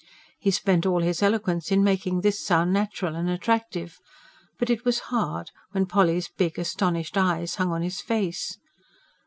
He spent all his eloquence in making this sound natural and attractive. But it was hard, when Polly's big, astonished eyes hung on his face.